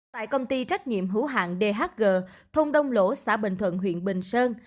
tại công ty trách nhiệm hữu hạng dhg thôn đông lỗ xã bình thuận huyện bình sơn